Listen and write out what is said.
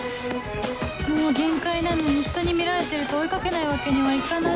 もう限界なのにひとに見られてると追い掛けないわけにはいかない